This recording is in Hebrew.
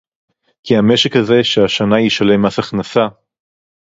כי המשק הזה שהשנה ישלם מס הכנסה